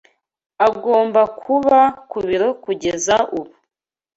Agomba kuba ku biro kugeza ubu